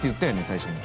最初に。